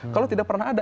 kalau tidak pernah ada